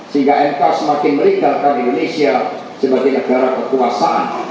sehingga mk semakin merikatkan indonesia sebagai negara kekuasaan